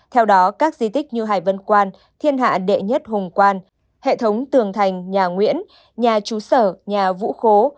theo đó các di tích như hải vân quan thiên hạ đệ nhất hùng quan hệ thống tường thành nhà nguyễn nhà trú sở nhà vũ khố